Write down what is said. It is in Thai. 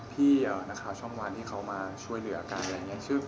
พี่ช้องวันที่กำลังมาช่วยเหลืออย่างนี้